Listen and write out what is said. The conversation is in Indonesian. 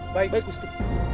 baik baik bustu